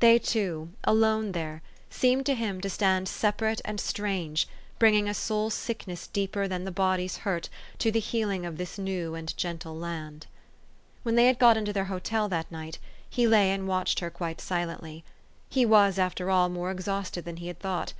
They two, alone there, seemed to him to stand separate 402 THE STORY OF AVIS. and strange, bringing a soul sickness deeper than the body's hurt to the healing of this new and gen tle land. When they had got into their hotel that night, he lay and watched her quite silently. He was, after all, more exhausted than he had thought.